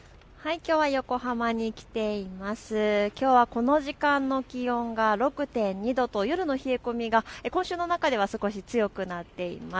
きょうはこの時間の気温が６．２度と夜の冷え込みが今週の中では少し強くなっています。